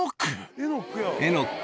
エノック？